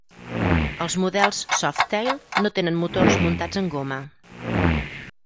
Els models Softail no tenen motors muntats en goma.